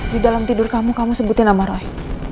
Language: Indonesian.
di dalam tidur kamu kamu sebutin nama roy